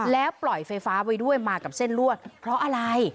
แล้วปล่อยไฟฟ้าไว้ด้วยมากับเส้นลวดเพราะอะไร